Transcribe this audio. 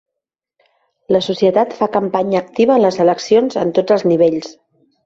La societat fa campanya activa a les eleccions en tots els nivells.